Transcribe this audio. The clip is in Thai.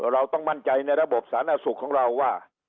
เราต้องมั่นใจในระบบสาธารณสุขของเราว่า